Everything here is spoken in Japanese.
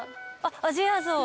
アジアゾウ？